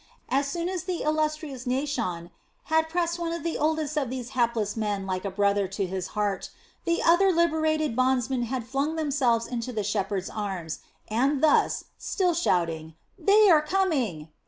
As soon as the illustrious Naashon had pressed one of the oldest of these hapless men like a brother to his heart, the other liberated bondsmen had flung themselves into the shepherds' arms and thus, still shouting: "They are coming!"